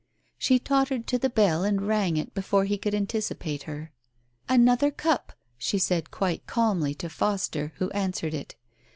She tottered to the bell and rang it before he could anticipate her. "Another cup," she said quite calmly to Foster, who answered it.